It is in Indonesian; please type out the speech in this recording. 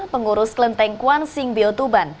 pengurus kelenteng kwan sing biotuban